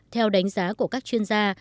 theo đánh giá của các chuyên gia